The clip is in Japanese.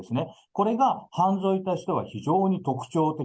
これが犯罪としては非常に特徴的。